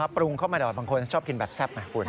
ปรุงเข้ามาดอดบางคนชอบกินแบบแซ่บไงคุณ